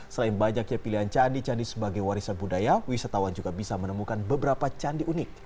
selain banyaknya pilihan candi candi sebagai warisan budaya wisatawan juga bisa menemukan beberapa candi unik